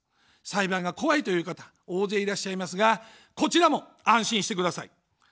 裁判が怖いという方、大勢いらっしゃいますが、こちらも安心してください。